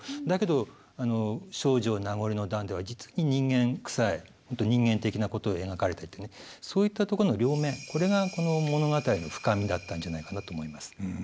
だけど「丞相名残の段」では実に人間くさいほんと人間的なこと描かれていてねそういったとこの両面これがこの物語の深みだったんじゃないかなと思います。